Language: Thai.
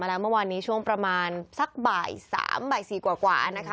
แล้วเมื่อวานนี้ช่วงประมาณสักบ่าย๓บ่าย๔กว่านะคะ